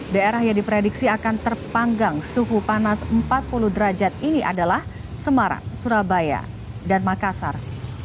daerah yang diprediksi akan terpanggang suhu panas empat puluh derajat ini adalah semarang surabaya dan makassar